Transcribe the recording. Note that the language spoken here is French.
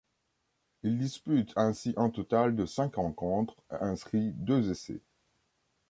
Il dispute ainsi un total de cinq rencontres et inscrit deux essais.